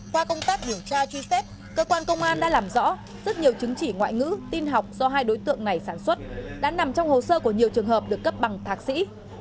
qua công tác điều tra truy xét cơ quan công an đã làm rõ rất nhiều chứng chỉ ngoại ngữ tin học do hai đối tượng này sản xuất đã nằm trong hồ sơ của nhiều trường hợp được cấp bằng thạc sĩ